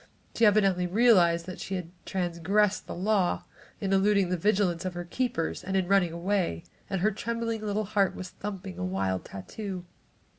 She evidently realized that she had transgressed the law in eluding the vigilance of her keepers, and in running away, and her trembling little heart was thumping a wild tattoo.